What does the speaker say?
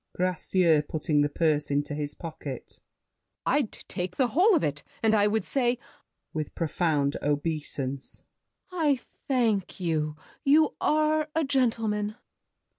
GRACIEUX (putting the purse into his pocket). I'd take The whole of it, and I would say— [With profound obeisance. I thank you; You are a gentleman!